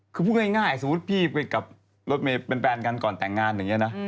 คือพูดง่ายสมมุติพี่ไปกับรถเมย์เป็นแฟนกันก่อนแต่งงานอย่างนี้นะ